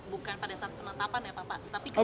bukan pada saat penetapan ya pak